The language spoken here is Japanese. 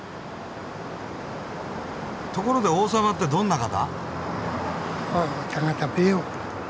ところで王様ってどんな方？